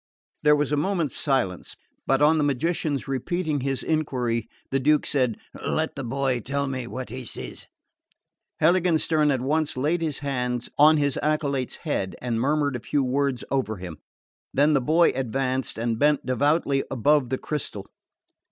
There was a moment's silence; but on the magician's repeating his enquiry the Duke said: "Let the boy tell me what he sees." Heiligenstern at once laid his hands on his acolyte's head and murmured a few words over him; then the boy advanced and bent devoutly above the crystal.